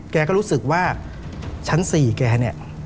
แกก็รู้สึกว่าชั้น๔แกเนี่ย